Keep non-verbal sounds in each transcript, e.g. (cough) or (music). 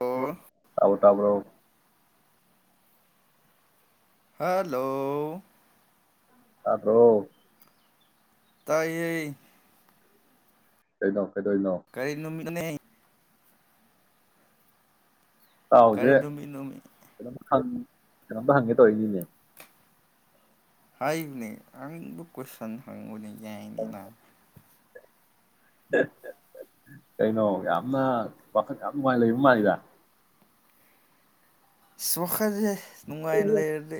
Hello ꯇꯕꯨ ꯇꯕ꯭ꯔꯣ hello ꯇꯥꯗꯔ‌ꯣ ꯇꯥꯏꯌ‌ꯦ ꯑꯩꯗꯣ ꯀꯩꯗꯧꯋꯤꯅꯣ ꯅ‌ꯣꯅ‌ꯦ ꯀꯥꯔꯤ ꯅꯨꯃꯤꯠ‌ꯅ‌ꯣꯃ‌ꯦ ꯀꯩꯅ‌ꯣꯝ ꯍꯪꯒ‌ꯦ ꯇꯧꯔꯛꯏꯅꯤꯅꯦ ꯍꯥꯏꯕꯅꯦ ꯍꯪꯕ ꯀ‌ꯣꯏꯁꯟ ꯍꯪꯉ‌ꯣꯅ‌ꯦ ꯌꯥꯏꯅꯤꯅ ꯀꯩꯅꯣ ꯌꯥꯝꯅ ꯋꯥꯈꯜ ꯌꯥꯝ ꯅꯨꯡꯉꯥꯏ ꯂꯩꯕ ꯃꯥꯜꯂꯤꯗ ꯋꯈ‌ꯜꯁ‌ꯦ ꯅꯨꯡꯉꯥꯏꯅ ꯂꯩꯔꯗꯤ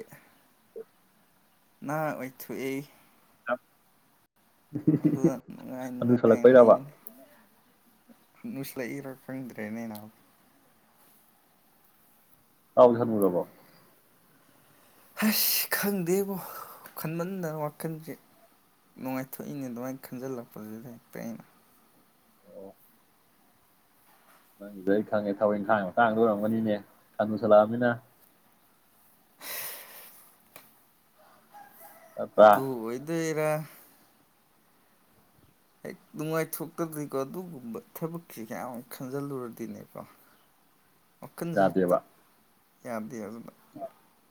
ꯅꯍꯥ ꯑꯣꯏꯊ‌ꯣꯛꯑꯦꯌ‌ꯦ ꯅꯨꯡꯉꯥꯏ ꯑ ꯍꯅꯨ ꯁꯜꯂꯛꯄꯩꯔꯕ ꯍꯅꯨꯁꯤꯜꯂꯛꯏꯔꯥ ꯈꯪꯗ꯭ꯔꯦꯅꯦ ꯅꯕ ꯏꯇꯥꯎꯁ‌ꯦ ꯍꯅꯨꯔꯕ‌ꯣ ꯑꯁ ꯈꯪꯗꯦꯕꯣ ꯈꯟꯃꯟꯗꯅ ꯋꯥꯈꯜꯁꯦ ꯅꯨꯡꯉꯥꯏꯊꯣꯛꯏꯅꯦ ꯑꯗꯨꯃꯥꯏꯅ ꯈꯟꯖꯤꯜꯂꯛꯄꯁꯤ ꯂꯩ ꯑꯣ ꯅꯪꯁꯤꯗ ꯑꯩ ꯈꯪꯉꯦ ꯊꯕꯛ ꯏꯪꯈꯥꯡꯒꯤ ꯃꯇꯥꯡꯗ ꯑꯣꯏꯔꯝꯒꯅꯤꯅꯦ ꯍꯅꯨꯁꯜꯂꯛꯑꯃꯤꯅ ꯅꯠꯇ꯭ꯔꯥ ꯑꯗꯨ ꯑꯣꯏꯗꯨꯏꯔꯥ ꯍ‌ꯦꯛ ꯅꯨꯡꯉꯥꯏꯊꯣꯛꯇꯗ꯭ꯔꯤꯀꯣ ꯑꯗꯨꯒꯨꯝꯕ ꯊꯕꯛꯀꯤ ꯀꯌꯥꯃꯨꯛ ꯈꯟꯖꯤꯜꯂꯨꯔꯗꯤꯅꯦꯀꯣ ꯋꯈꯜꯁ‌ꯦ ꯍ‌ꯦꯛꯇ ꯌꯥꯗꯦꯕ ꯌꯥꯗ‌ꯦꯕ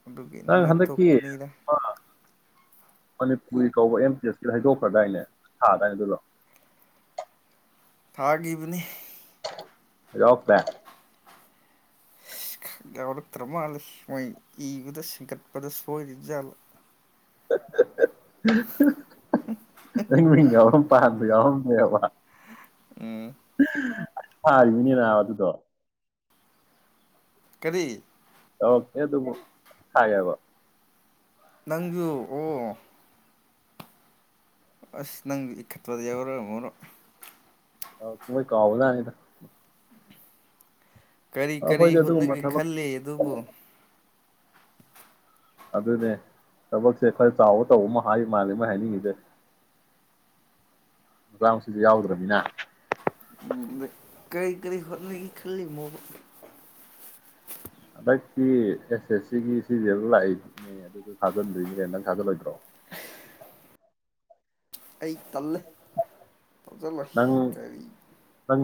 ꯑꯗꯨꯒꯤ ꯅꯨꯡꯉꯥꯏꯊꯣꯛꯄꯅꯤꯗ ꯃꯅꯤꯄꯨꯔꯅ ꯀꯧꯕ ꯑꯦꯝ ꯇꯤ ꯑꯦꯁꯀꯤ ꯍꯥꯏꯗꯣꯛꯈ꯭ꯔꯗꯥꯥꯏꯅꯦ ꯊꯥꯗꯥꯏꯅꯦ ꯑꯗꯨꯗ‌ꯣ ꯊꯥꯈꯤꯕꯅꯤ ꯌꯥꯎꯔꯛꯇꯔ‌ꯦ ꯌꯥꯎꯔꯛꯇ꯭ꯔ ꯃꯥꯜꯂꯦ ꯃꯣꯏ ꯏꯕꯗ ꯁꯤꯡꯒꯠꯄꯗ ꯁꯣꯏꯔꯤꯖꯥꯠꯂ (inaudible) ꯃꯤꯝ ꯄꯥꯝ ꯑꯎꯍꯝ (inaudible) ꯎꯝ ꯍꯥꯥ ꯌꯅꯤꯅ ꯑꯋꯥ ꯑꯗꯨꯗ ꯀꯔꯤ ꯑꯣꯦ ꯑꯗꯨ ꯍꯥꯏꯦꯕꯣ ꯅꯪꯖꯨ ꯑꯣ ꯑꯁ ꯅꯪ ꯏ ꯈꯠꯋꯥꯗ ꯌꯥꯎꯔꯣ ꯑꯃꯔꯣ ꯣꯏ ꯀꯥꯎꯥꯎꯗꯅꯤꯗ ꯀꯔꯤ ꯀꯔꯤ ꯑꯗꯨꯒꯨꯝꯕ ꯍꯣꯠꯅꯒꯦ ꯊꯕꯛ ꯈꯜꯂꯤ ꯑꯗꯨꯕꯨ ꯑꯗꯨꯅꯦ ꯊꯕꯛꯁꯦ ꯈꯔ ꯆꯥꯎꯕ ꯇꯧꯕ ꯑꯃ ꯍꯥꯏ ꯃꯥꯜꯂꯤꯦ ꯃꯣꯏ ꯍꯥꯏꯅꯤꯡꯉꯤꯤꯁꯦ ꯃꯇꯥꯡꯁꯤꯁꯦ ꯌꯥꯎꯗ꯭ꯔꯃꯤꯅ ꯀꯔꯤ ꯀꯔꯤ ꯍꯣꯠꯅꯒ ꯈꯜꯂꯤꯃꯣ ꯍꯟꯗꯛꯀꯤ ꯑꯦꯁ ꯑꯦꯁ ꯁꯤꯒꯤ ꯁꯤꯁ ꯂꯥꯛꯏꯅꯦ ꯑꯗꯨꯁꯨ ꯊꯥꯖꯤꯟꯗꯣꯏꯅꯤ ꯀꯩꯗꯪ ꯊꯥꯖꯤꯜꯂꯣꯏꯗ꯭ꯔꯣ ꯑꯩ ꯇꯜꯂꯦ ꯐꯖꯜꯂꯁꯤ ꯅꯪ ꯀꯔꯤ ꯅꯪ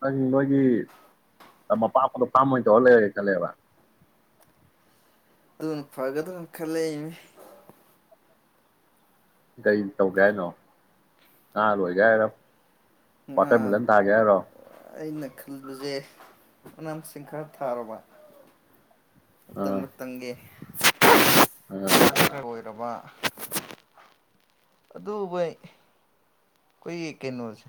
ꯅꯪ ꯅꯣꯏꯒꯤ ꯃꯄꯥ ꯐꯗ ꯐꯥꯔꯝ ꯑꯣꯏꯅ ꯇꯧꯔ ꯂꯩꯔꯒꯦ ꯈꯠꯂꯛꯦꯕ ꯑꯗꯨꯅ ꯐꯒꯗꯅ ꯈꯜꯂꯅꯦ ꯀꯔꯤ ꯇꯧꯒꯦ ꯍꯥꯏꯅꯣ ꯉꯍꯥ ꯂꯣꯏꯒꯦ ꯍꯥꯏꯔꯣ ꯑ ꯋꯥꯇꯔꯃꯦꯂꯟ ꯊꯥꯒꯦ ꯍꯥꯏꯔꯣ ꯏꯅ ꯈꯟꯕꯁꯦ ꯃꯅꯥ ꯃꯁꯤꯡ ꯈꯔ ꯊꯥꯔꯕ ꯑꯥ ꯇꯃ ꯇꯪꯦ ꯑꯥ ꯑ ꯈ ꯑꯣꯏꯔꯕ ꯑꯗꯨ ꯃꯣꯏ ꯀꯣꯏ ꯀꯩꯅꯣꯁ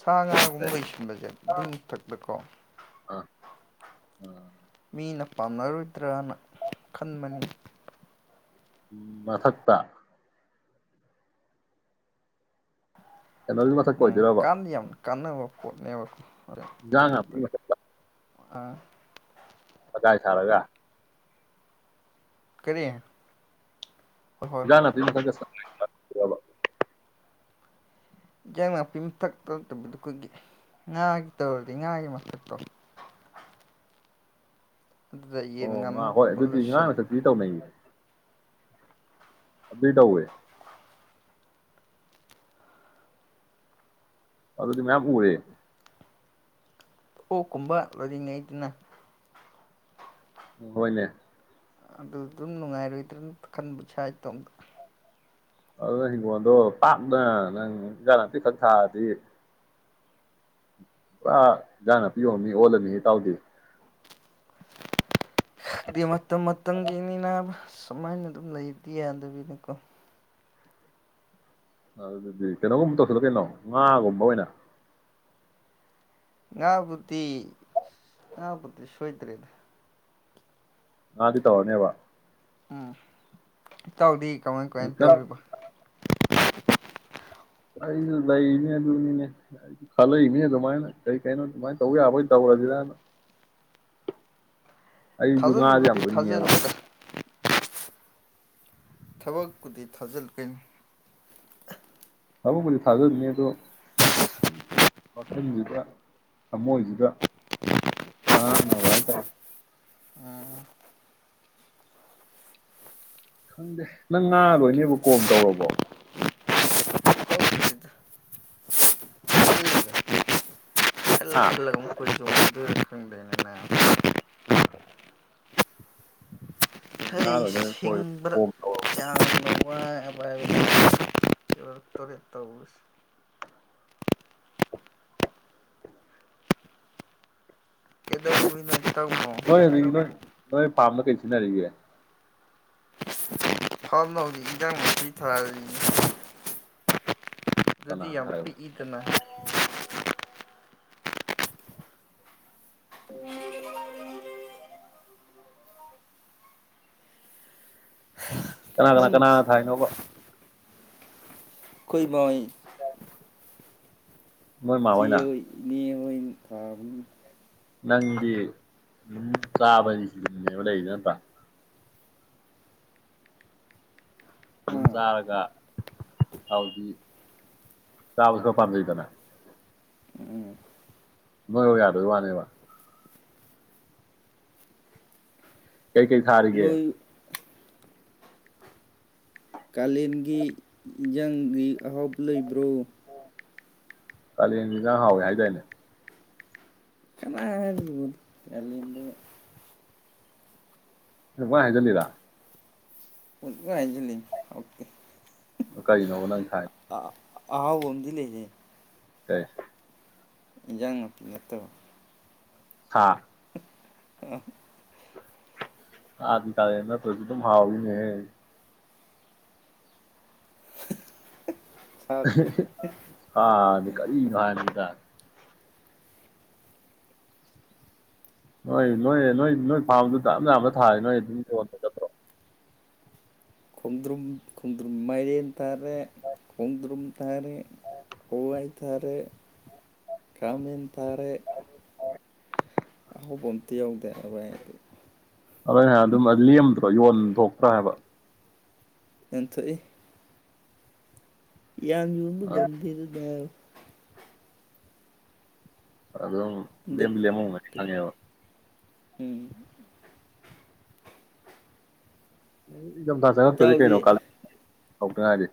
ꯁꯥ ꯉꯥꯒꯨꯝꯕ ꯑꯥ ꯂꯩꯣꯏꯁꯤꯟꯕꯁꯦ ꯑꯗꯨꯏꯊꯛꯇꯀꯣ ꯑꯥ ꯎ ꯃꯤꯅ ꯄꯥꯝꯅꯔꯣꯏꯗ꯭ꯔꯅ ꯈꯟꯕꯅꯤ ꯃꯊꯛꯇ ꯑꯦꯩꯅꯒꯤ ꯃꯊꯛ ꯀ ꯎꯝ ꯑꯣꯏꯗꯣꯏꯔꯕ ꯀꯥꯟꯗꯤ ꯌꯥꯝ ꯀꯥꯟꯅꯕ ꯄꯣꯠꯅꯦꯕ ꯂꯉ ꯑꯥ ꯄꯗꯥꯥꯏ ꯊꯥꯂꯒ ꯀꯔꯤ ꯍꯣꯏ ꯍꯣꯏ ꯍꯣꯏ ꯌꯥꯅꯥ ꯊ ꯑ ꯏꯟ ꯅꯥꯄꯤ ꯃꯊꯛꯇꯧꯗꯕꯗꯨ ꯀꯒꯤ ꯉꯥꯒꯤ ꯇꯧꯔꯗꯤ ꯉꯥꯒꯤ ꯃꯊꯛꯇꯣ ꯑꯗꯨ ꯇ ꯑꯣ ꯌꯦꯅꯤ ꯉꯥ ꯉꯟꯅ ꯍꯣꯏ ꯕꯜꯂ ꯑꯗꯨꯗꯤ ꯉꯥ ꯏꯁꯤꯅꯤ ꯃꯊꯛꯇꯗꯤ ꯕꯤ ꯇꯎꯦ ꯑꯗꯨꯗꯤ ꯃꯌꯥꯝ ꯄꯔꯦ ꯑꯣ ꯀꯨꯝꯕ ꯂꯔꯤꯉꯩꯗꯨꯅ ꯍꯣꯏꯅꯦ ꯑꯗꯨ ꯑꯗꯨꯝ ꯅꯨꯡꯉꯥꯏꯔꯣꯏꯗ꯭ꯔꯅ ꯈꯟꯕꯨꯁꯨ ꯏꯇꯣꯝꯇ ꯑꯗꯨꯅ ꯍꯤꯡꯒꯣꯜꯗꯣ ꯄꯥꯛꯅ ꯅꯪ ꯏꯟꯖ ꯇꯤ ꯈꯛ ꯊꯥꯔꯗꯤ ꯑ ꯌꯥꯅ ꯄꯤꯌꯣ ꯃꯤ ꯑꯣꯜꯂꯅꯤ ꯇꯥꯎꯗꯦ ꯈꯛꯇꯤ ꯃꯇꯝ ꯃꯇꯝꯒꯤꯅꯤꯅ ꯁꯨꯃꯥꯏꯅ ꯑꯗꯨꯝ ꯂꯩꯗꯤ ꯌꯥꯗꯕꯤꯅꯤꯀꯣ ꯑꯗꯨꯗꯤ ꯀꯩꯅꯣꯒꯨꯝꯕ ꯇꯧꯁꯤꯗ ꯀꯩꯅꯣ ꯉꯥꯒꯨꯝꯕ ꯑꯣꯏꯅ ꯉ ꯄꯨꯠꯇꯤ ꯉ ꯄꯨꯇꯤ ꯁꯣꯏꯇꯔꯤꯦꯗ ꯉꯅꯥꯗꯤ ꯇ ꯋꯥꯅꯦꯕ ꯎꯝ ꯏꯇꯥꯎꯗꯤ ꯀꯃꯥꯏ ꯅꯪ ꯀꯃꯥꯏꯅ ꯇꯧꯔꯤꯕ (inaudible) ꯑꯩꯁꯨ ꯂꯩꯔꯤꯅꯦ ꯑꯗꯨꯅꯤꯅꯦ ꯑꯩꯁꯨ ꯈꯜꯂꯛꯏꯅꯦ ꯑꯗꯨꯃꯥꯏꯅ ꯀꯔꯤ ꯀꯩꯅꯣ ꯑꯗꯨꯃꯥꯏꯅ ꯇꯧꯕ ꯌꯥꯕꯣꯏ ꯇꯧꯔꯁꯤꯔꯅ ꯑꯩꯁꯨ ꯉꯥꯗꯤ ꯌꯥꯝ ꯊꯥꯖꯤꯜꯂꯨꯕꯗꯤ ꯂꯅꯤꯡꯉꯦꯕ ꯊꯥꯖꯤꯜꯂꯦꯗ ꯊꯕꯛꯄꯨꯗꯤ ꯊꯥꯖꯤꯜꯀꯅꯤ ꯊꯕꯛꯕꯨꯗꯤ ꯊꯥꯖꯕꯅꯤ ꯑꯗꯣ ꯃꯈꯜꯁꯤꯗ ꯊꯃꯣꯏꯁꯤꯗ ꯆꯥꯅꯕ ꯍꯥꯏꯇꯥꯔꯦ ꯎꯝ ꯈꯪꯗꯦ ꯅꯪ ꯉꯥꯡꯗꯣꯏꯅꯦꯕ ꯀꯣꯝ ꯇꯧꯔꯕꯣ ꯇꯧꯗ꯭ꯔꯤꯗ ꯈꯜꯂꯤꯗ ꯈꯜꯂ ꯑꯥ ꯈꯜꯂꯒ ꯑꯃꯨꯛ ꯈꯣꯏ ꯆꯣꯡꯈꯤꯗꯣꯏꯔꯥ ꯈꯪꯗꯦꯅꯦ ꯅꯥꯕ (inaudible) ꯍꯩꯁ ꯍꯤꯡꯕꯗ ꯣ ꯌꯥꯝꯅ ꯋꯥꯕ ꯆꯧꯁ ꯕꯨ ꯅꯣꯏ ꯑꯗꯨꯛ ꯅꯣꯏ ꯅꯣꯏ ꯐꯥꯔꯝꯗ ꯀꯔꯤ ꯁꯤꯖꯤꯟꯅꯔꯤꯒꯦ ꯊꯥꯎ ꯍ ꯍꯧꯖꯤ ꯏꯟꯖꯥꯡ ꯊꯤ ꯊꯥꯔꯤ ꯀꯅꯥ ꯑꯗꯨꯗꯤ ꯌꯥꯝ ꯊꯥꯏꯅꯣ ꯄꯤꯛꯏꯗꯅ (inaudible) (inaudible) ꯀꯅꯥ ꯀꯅꯥ ꯅꯪꯒꯤꯁꯨ ꯀꯅꯥꯅ ꯊꯥꯏꯅꯣꯕ ꯑꯩꯣꯏ ꯃꯣꯏ ꯅꯣꯏ ꯃꯥ ꯁꯤ ꯍꯣꯏꯅ ꯅꯣꯏ ꯊꯥꯕꯨꯡ ꯅꯪꯗꯤ ꯑꯗꯨꯝ ꯆꯥꯕꯅꯤ ꯁꯤꯖꯤꯅꯦꯕ ꯂꯩꯗ ꯅꯠꯇ꯭ꯔꯥ ꯑꯗꯨꯝ ꯑꯥ ꯆꯥꯔꯒ ꯍꯥꯎꯗꯤ ꯆꯥꯕꯁꯨ ꯄꯥꯝꯖꯩꯗꯅ ꯎꯝ ꯃꯣꯏ ꯌꯥꯗ ꯑꯣꯏ ꯋꯥꯅꯦ ꯋꯥ ꯀꯩ ꯀꯩ ꯊꯥꯔꯤꯒꯦ ꯅꯣꯏ ꯀꯂꯟꯒꯤ ꯑꯍꯥꯎꯕ ꯂꯩꯕ꯭ꯔꯣ ꯀꯂꯖ ꯍꯥꯎꯋꯦ ꯍꯥꯏꯗꯏꯅꯦ ꯀꯅꯥꯅꯣ ꯀꯥꯂꯦꯟꯗ ꯋꯥꯣꯏ ꯍꯥꯏꯖꯅꯤꯗ ꯄꯨꯡꯍꯥꯏ ꯍꯥꯏꯖꯤꯜꯂꯤ ꯍꯥꯎꯇꯦ ꯀꯔꯤꯅꯧꯕ ꯅꯪ ꯊꯥꯏ ꯑ ꯑꯍꯥꯎꯕ ꯑꯃꯗꯤ ꯂꯩꯔꯦ ꯍ ꯏꯟꯖꯥꯡ ꯅꯥꯄꯤ ꯅꯠꯇꯕ ꯍꯥꯥ ꯑꯗꯤ ꯀꯂꯅ ꯇꯣꯏꯁꯨ ꯑꯗꯨꯝ ꯍꯥꯎꯅꯦ ꯁꯥꯛ ꯍ ꯑꯍꯥ (unintelligible) ꯀꯔꯤꯅꯣ ꯍꯥꯏꯅꯤꯗ? ꯅꯣꯏ - ꯅꯣꯏ -ꯅꯣꯏ -ꯅꯣꯏ ꯐꯥꯝꯗꯨ (unintelligible) ꯅꯣꯏ ꯑꯗꯨꯝ ꯌꯣꯅꯕꯥ ꯅꯠꯇ꯭ꯔꯣ? ꯈꯣꯡꯗ꯭ꯔꯨꯝ ꯈꯣꯡꯗ꯭ꯔꯨꯝ ꯃꯥꯏꯔꯦꯟ ꯇꯥꯔꯦ ꯀꯨꯝꯗ꯭ꯔꯨꯝ ꯊꯔꯦ ꯍꯥꯋꯥꯥꯏ ꯊꯥꯔꯦ, ꯀꯃꯟ ꯊꯔꯦ꯫ ꯑꯍꯧꯕ ꯑꯝꯇ ꯌꯧꯗꯦ ꯑꯗꯨꯕ ꯑꯩ ꯑꯗꯨ ꯑꯗꯨꯝ ꯂꯦꯝꯗ꯭ꯔꯣ ꯌꯣꯟꯊꯣꯛꯇ꯭ꯔꯥ ꯍꯥꯏꯕ? ꯌꯣꯟꯊꯣꯛ ꯏ꯫ ꯌꯥꯝ ꯌꯣꯟꯕꯥ ꯉꯝꯗꯦꯗꯥ ꯅꯥꯕꯥ꯫ ꯑꯗꯨꯝ ꯍꯟꯗꯛ ꯂꯦꯝꯗꯤ - ꯂꯦꯝꯃꯝꯒꯅꯤ ꯈꯪꯉꯦꯕ꯫ ꯎꯝ (inaudible) ꯏꯊꯝꯊꯥ ꯆꯪꯉꯛꯇꯣꯔꯤꯦ ꯏꯇꯥꯎꯗꯤ ꯀꯩꯅꯣ ꯀꯂꯦ ꯍꯧꯗ ꯉꯥꯏꯔꯤ꯫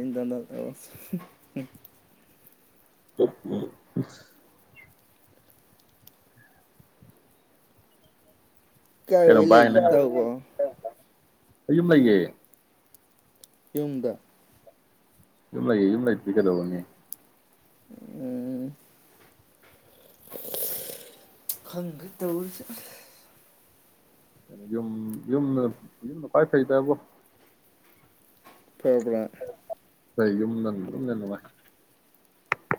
(unintelligible) (inaudible) ꯀꯥꯏ ꯋꯥꯏ ꯂꯩꯍꯦ ꯏꯇꯥꯎ ꯕꯣ? ꯑꯩꯌꯨꯝ ꯂꯩꯌꯦ꯫ ꯌꯨꯝꯗ꯫ ꯌꯨꯝ ꯂꯩ ꯌꯨꯝ ꯂꯩꯇꯥꯗꯤ ꯀꯗꯧꯔꯨꯅꯤ꯫ ꯈꯪꯗꯔ꯭ꯦ ꯇꯧꯔꯤꯖꯤ ꯫ ꯌꯨꯝ- ꯌꯨꯝ - ꯌꯨꯝꯅ ꯈꯋ꯭ꯥꯏ ꯐꯩ ꯕꯣ ꯫ ꯐꯕꯔꯥ? ꯀ ꯌꯨꯝꯗꯅ ꯌꯨꯝꯅꯥ ꯅꯨꯡꯉꯥꯏ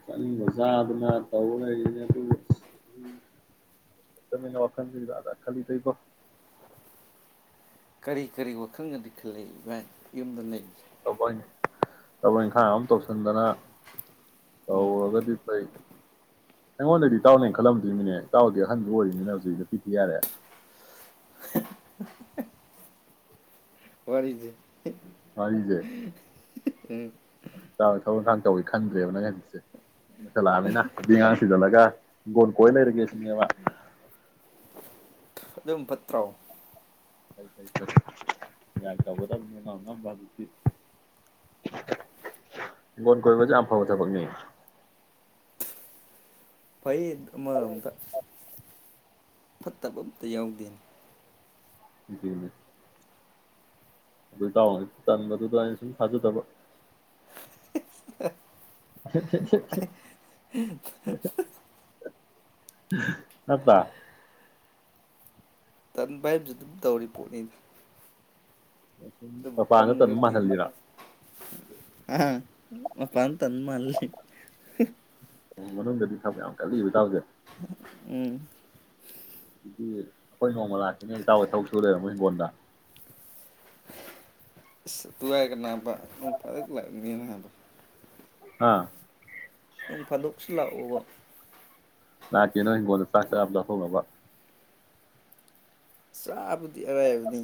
ꯆꯥꯅꯤꯡꯕ ꯆꯥꯗꯅ ꯇꯧꯕ ꯂꯩꯔꯤꯅꯦ ꯑꯗꯨꯅ ꯋꯥꯈꯜꯁꯤꯗ ꯑꯗ ꯈꯜꯂꯤ ꯏꯕꯣ꯫ ꯀꯔꯤ - ꯀꯔꯤ ꯋꯥꯈꯜꯒꯗꯤ ꯈꯜꯂꯤ ꯏꯕꯥꯏ ꯌꯨꯝꯗ ꯂꯩ ꯊꯕꯛ ꯊꯕꯛ ꯏꯪꯈꯥꯡ ꯑꯃ ꯇꯧꯁꯤꯟꯗꯅ ꯎꯝ ꯇꯧꯔꯒꯗꯤ ꯐꯩ꯫ ꯑꯩꯉꯣꯟꯗꯗꯤ ꯏꯇꯥꯑꯣꯅꯥ ꯍꯦꯟꯅꯥ ꯈꯜꯂꯝꯗꯣꯏꯃꯤꯅꯦ ꯇꯥꯎꯗꯤ ꯑꯍꯟꯁꯨ ꯑꯣꯏꯔꯝꯅꯤꯅ ꯍꯧꯖꯤꯛ ꯅꯤꯄꯤꯊꯤ ꯌꯥꯔꯦ꯫ ꯋꯥꯔꯤꯁꯦ ꯋꯥꯔꯤꯁꯦ ꯎꯝ ꯊꯕꯛꯈꯥꯡ ꯇꯧꯋꯤ ꯈꯟꯗ꯭ꯔꯦꯕ ꯅꯪ ꯍꯧꯖꯤꯛꯁꯦ ꯂꯣꯏꯁꯜꯂꯛꯑꯅꯤꯅ ꯅꯨꯄꯤ ꯉꯥꯡ ꯊꯖꯜꯂꯒ ꯍꯤꯡꯒꯣꯟ ꯀꯣꯏ ꯂꯩꯔꯒꯦ ꯁꯤꯅꯦꯕ꫰ ꯑꯗꯨꯝ ꯐꯠꯇ꯭ꯔꯑꯣ? ꯐꯩ - ꯐꯩ - ꯐꯩ ꯒ꯭ꯌꯥꯟ ꯇꯣꯒꯗꯧꯅꯤ ꯍꯧꯖꯤꯛꯇꯤ ꯍꯤꯡꯒꯣꯟ ꯀꯣꯏꯕꯁꯦ ꯌꯥꯝ ꯐꯕ ꯊꯕꯛꯅꯤ꯫ ꯐꯩ ꯑꯃꯔꯣꯝꯗ꯫ ꯐꯠꯇꯕꯝꯇ ꯌꯥꯎꯗꯦꯅꯦ꯫ ꯑꯗꯨꯅꯤ꯫ ꯑꯗꯨ ꯏꯇꯥꯑꯣꯗꯤ ꯇꯟꯕꯗꯨꯗ ꯑꯩꯅ ꯁꯨꯝ ꯊꯥꯖꯗꯕ꯫ (unintelligible) ꯇꯟꯕꯥ ꯍꯥꯏꯖꯤ ꯑꯗꯨꯝ ꯇꯧꯔꯤ ꯄꯣꯠꯅꯤ꯫ (inaudible) ꯃꯄꯥꯟꯗ ꯇꯟꯕ ꯇꯟꯗꯔꯗꯤ ꯃꯥꯜꯍꯜꯂꯤꯔ ꯍꯥ ꯃꯄꯥꯟ ꯗ ꯇꯟꯕ ꯃꯥꯜꯂꯥ ꯂꯩ꯫ ꯑꯣ ꯃꯅꯨꯡꯗꯗꯤ ꯊꯕꯛ ꯌꯥꯝ ꯀꯜꯂꯤꯕꯇꯥꯎꯖꯦ ꯫ ꯎꯝ꯫ ꯑꯗꯨꯗꯤ ꯑꯩꯈꯣꯏ ꯅꯣꯡꯃ ꯂꯥꯛꯀꯦꯅꯦ ꯏꯇꯥꯎ ꯊꯕꯛ ꯁꯨ ꯂꯩꯔꯃꯣ ꯍꯤꯡꯒꯣꯜꯗ꯫ ꯇꯨꯑꯥꯏ ꯀ ꯅꯕ ꯅꯣꯡꯃ ꯐꯖꯟ ꯂꯥꯛꯅꯤꯡꯏ ꯅꯕ ꯑꯥ ꯅꯣꯡ ꯐꯥꯗꯣꯛꯁꯨ ꯂꯥꯛꯑꯣꯕ ꯂꯥꯛꯀꯦ ꯅꯣꯏ ꯍꯤꯡꯒꯣꯜꯗ ꯆꯥꯛ ꯆꯔꯥ ꯑꯃ ꯆꯥꯊꯣꯛꯎꯔꯕ ꯆꯥꯕꯨꯗꯤ ꯑꯔꯥꯏꯕꯅꯤ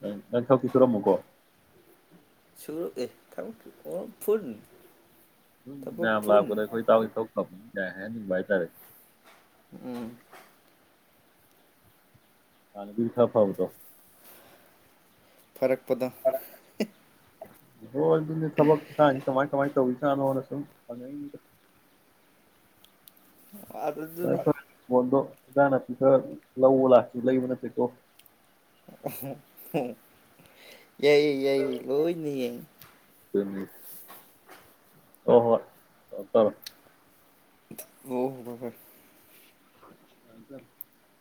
ꯅꯪ ꯅꯪ ꯊꯕꯛꯇꯤ ꯁꯨꯔꯝꯃꯨꯀꯣ ꯁꯨꯔꯛꯑꯦ ꯊꯕꯛꯇꯤ ꯐꯨꯟ ꯎꯝ ꯊꯕꯛ ꯃꯌꯥꯝ ꯐꯨꯟ ꯂꯥꯛꯄꯗ ꯑꯩꯈꯣꯏ ꯆꯥꯕꯩ ꯊꯕꯛ ꯇꯧꯍꯟꯅꯤ ꯌꯥꯝ ꯍꯥꯏꯍꯟꯅꯤꯡꯕ ꯍꯥꯏꯇꯔꯦ ꯎꯝ ꯍꯥꯅꯗꯤ ꯈꯐꯕꯗꯣ ꯐꯔꯛꯄꯗꯣ ꯍꯣ ꯑꯗꯨꯅꯦ ꯊꯕꯛ ꯀꯃꯥꯥꯏ ꯀꯃꯥꯥꯏ ꯇꯧꯁꯥꯅꯣꯗ ꯁꯨꯝ ꯍꯪꯉꯛꯏꯅꯤꯗ ꯑꯗꯨꯗꯨꯅꯤ ꯏꯪꯖꯥꯡ ꯅꯥꯄꯤ ꯈꯔ ꯂꯧꯕ ꯂꯥꯛꯀꯦ ꯂꯩꯕ ꯅꯠꯇꯦꯀꯣ (unintelligible) ꯌꯥꯏꯑꯦ ꯌꯥꯏꯑꯦ ꯂꯣꯏꯅ ꯌꯥꯏꯑꯦ (unintelligible) ꯑꯣ ꯍꯣꯏ ꯑꯣ ꯇꯔꯦ ꯑꯣ ꯍꯣꯏ ꯍꯣꯏ (unintelligible)